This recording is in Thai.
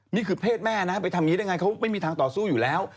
นี่คือเพศแม่นะไปทำอย่างนี้ได้ไงเขาไม่มีทางต่อสู้อยู่แล้ว